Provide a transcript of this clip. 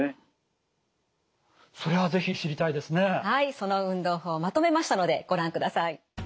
その運動法まとめましたのでご覧ください。